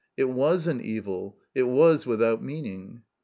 It was an evil ; it was without meaning.